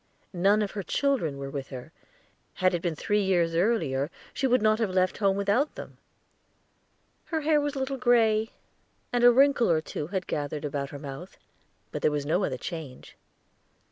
None of her children were with her; had it been three years earlier, she would not have left home without them. Her hair was a little gray, and a wrinkle or two had gathered about her mouth; but there was no other change.